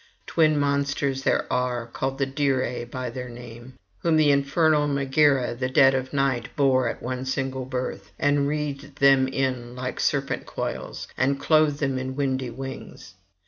Twin monsters there are, called the Dirae by their name, whom with infernal Megaera the dead of night bore at one single birth, and wreathed them in like serpent coils, and clothed them in windy wings.